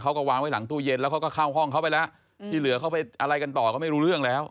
เขาก็วางไว้หลังตู้เย็นแล้วเขาก็เข้าห้องเขาไปแล้วที่เหลือเขาไปอะไรกันต่อก็ไม่รู้เรื่องแล้ว